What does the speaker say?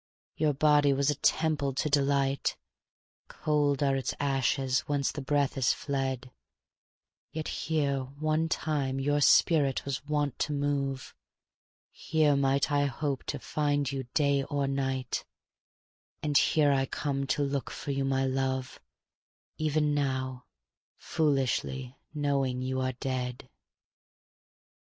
Your body was a temple to Delight; Cold are its ashes whence the breath is fled, Yet here one time your spirit was wont to move; Here might I hope to find you day or night, And here I come to look for you, my love, Even now, foolishly, knowing you are dead.